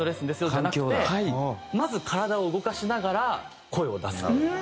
じゃなくてまず体を動かしながら声を出す。